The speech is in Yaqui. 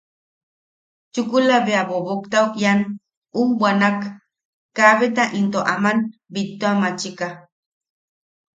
Chukula bea boboktau ian ujbwanwak, kaabeta into aman bittuamachika.